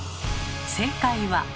正解は？